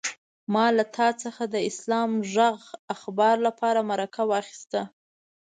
ما له تا څخه د اسلام غږ اخبار لپاره مرکه اخيسته.